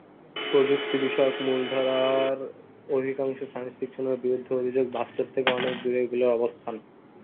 প্রযুক্তিবিষয়ক মূলধারার অধিকাংশ সায়েন্স ফিকশনের বিরুদ্ধে অভিযোগ, বাস্তব থেকে অনেক দূরে এগুলোর অবস্থান।